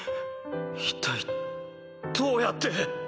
一体どうやって。